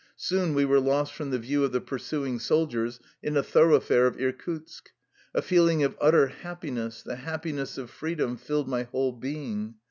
Soon we were lost from the view of the pursuing soldiers in a thorough fare of Irkutsk. A feeling of utter happiness, the happiness of freedom, filled my whole being.